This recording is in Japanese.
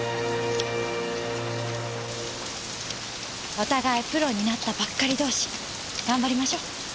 お互いプロになったばっかり同士頑張りましょう。